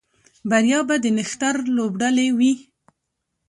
بریا به د نښتر لوبډلې وي